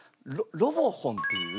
ロボホンっていう。